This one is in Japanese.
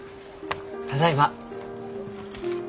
ただいま。